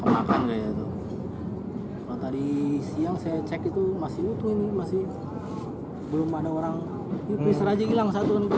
makan kayaknya tuh tadi siang saya cek itu masih itu ini masih belum ada orang